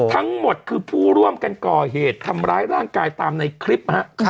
ทั้งหมดคือผู้ร่วมกันก่อเหตุทำร้ายร่างกายตามในคลิปฮะ